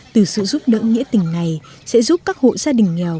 từ sự giúp đỡ nghĩa tình này sẽ giúp các hộ gia đình nghèo